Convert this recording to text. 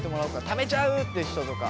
ためちゃうって人とか。